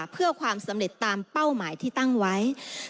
เพื่อความสำเร็จตามเป้าหมายที่ตั้งไว้